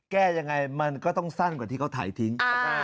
แก้ยังไงมันก็ต้องสั้นกว่าที่เขาถ่ายทิ้ง